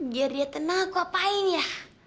biar dia tenang aku apain ya